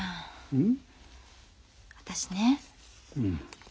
うん。